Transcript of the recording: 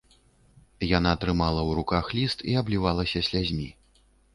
Яна трымала ў руках ліст і аблівалася слязьмі.